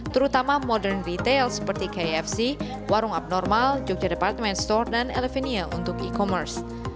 terutama modern retail seperti kafc warung abnormal jogja department store dan elivenia untuk e commerce